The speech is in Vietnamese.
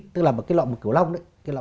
tức là một cái lọ